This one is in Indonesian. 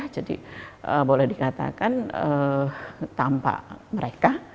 jadi boleh dikatakan tanpa mereka